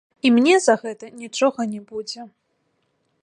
І мне за гэта нічога не будзе!